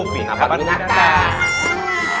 pindah pandun miata